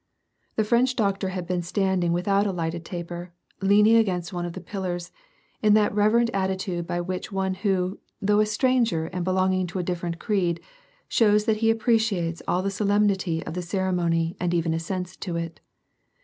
The French doctor had been standing without a lighted taper, leaning against one of the pillars, in that reverent attitude by which one who, though a stranger and belonging to a differ ent creed, shows that he appreciates all the solemnity of the ceremony and even assents to it.